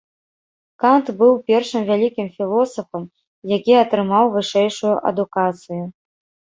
Кант быў першым вялікім філосафам які атрымаў вышэйшую адукацыю.